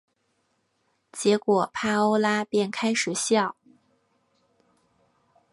结果帕欧拉便开始笑。